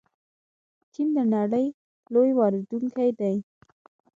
چین د نړۍ لوی واردونکی دی.